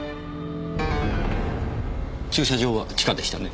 駐車場は地下でしたね？